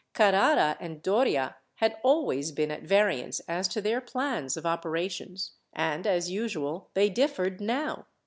Carrara and Doria had always been at variance as to their plans of operations, and, as usual, they differed now.